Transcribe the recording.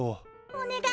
お願い！